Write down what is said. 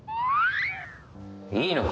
いいのか？